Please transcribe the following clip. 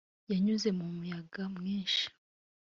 yanyuze mu muyaga. mwinshi